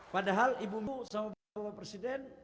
padahal ibu ibu sama bapak presiden